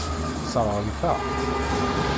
Sseṛɣent-aɣ-tt.